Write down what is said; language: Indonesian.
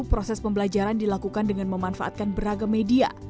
proses pembelajaran dilakukan dengan memanfaatkan beragam media